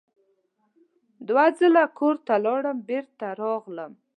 دوه ځله کور ته لاړم بېرته راغلم.